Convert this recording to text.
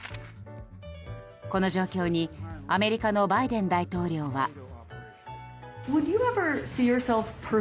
この状況にアメリカのバイデン大統領は。